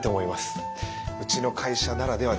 うちの会社ならではですし。